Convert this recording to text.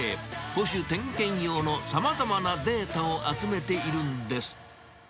保守・点検用のさまざまなデータを集めているんです。